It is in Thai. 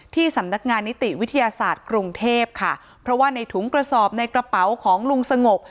ที่สำนักงานนิติวิทยาศาสตร์กรุงเทพค่ะเพราะว่าในถุงกระสอบในกระเป๋าของลุงสงบ